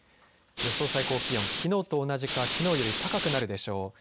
予想最高気温、きのうと同じかきのうより高くなるでしょう。